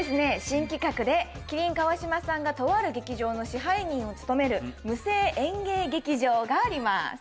新企画で麒麟川島さんがとある劇場の支配人を務める無声演芸劇場があります。